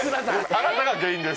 あなたが原因です。